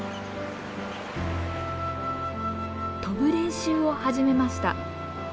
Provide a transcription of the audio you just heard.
飛ぶ練習を始めました。